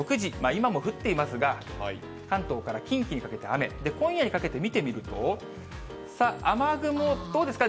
今も降っていますが、関東から近畿にかけて雨、今夜にかけて見てみると、さあ、雨雲、どうですか。